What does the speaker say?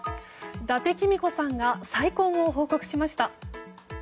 伊達公子さんが再婚を報告しました。